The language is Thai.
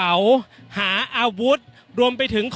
อย่างที่บอกไปว่าเรายังยึดในเรื่องของข้อ